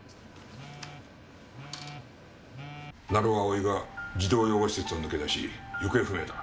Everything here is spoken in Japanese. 成尾蒼が児童養護施設を抜け出し行方不明だ。